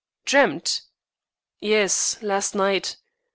"Dreamt?" "Yes, last night.